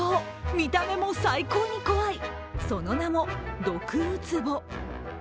見た目も最高に怖いその名もドクウツボ。